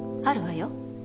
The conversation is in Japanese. あるわよ。